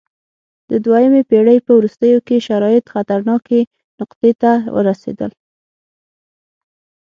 د دویمې پېړۍ په وروستیو کې شرایط خطرناکې نقطې ته ورسېدل